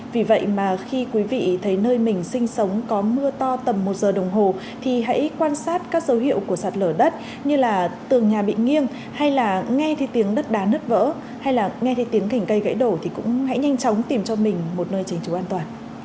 vì vậy mà khi quý vị thấy nơi mình sinh sống có mưa to tầm một giờ đồng hồ thì hãy quan sát các dấu hiệu của sạt lở đất như là tường nhà bị nghiêng hay là nghe theo tiếng đất đá nứt vỡ hay là nghe theo tiếng thỉnh cây gãy đổ thì cũng hãy nhanh chóng tìm cho mình một nơi tránh trú an toàn